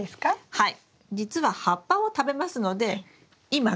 はい。